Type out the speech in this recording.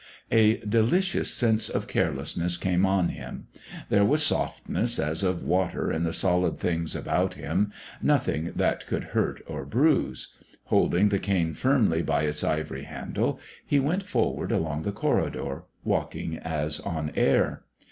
A delicious sense of carelessness came on him. There was softness as of water in the solid things about him, nothing that could hurt or bruise. Holding the cane firmly by its ivory handle, he went forward along the corridor, walking as on air.